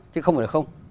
chứ không phải là không